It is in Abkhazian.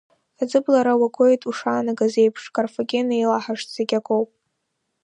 Аӡыблара уагоит ушаанагаз еиԥш, Карфаген еилаҳашт, зегь акоуп.